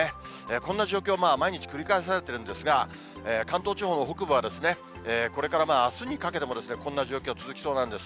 こんな状況、毎日繰り返されているんですが、関東地方北部はこれからあすにかけても、こんな状況、続きそうなんです。